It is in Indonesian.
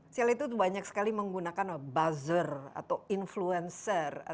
soalnya itu banyak sekali menggunakan buzzer atau influencer